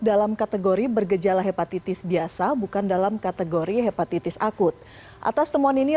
dalam kategori bergejala hepatitis biasa bukan dalam kategori hepatitis akut atas temuan ini